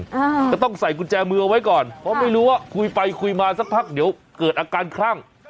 อ่าจะต้องใส่กุญแจมือเอาไว้ก่อนเพราะไม่รู้ว่าคุยไปคุยมาสักพักเดี๋ยวเกิดอาการคลั่ง